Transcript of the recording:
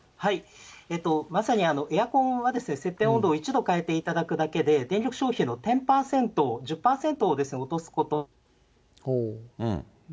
まさにエアコンは、設定温度を１度変えていただくだけで、電力消費の１０％を落とすことが。